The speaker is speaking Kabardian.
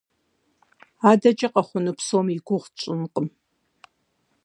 АдэкӀэ къэхъуну псом и гугъу тщӀынкъым.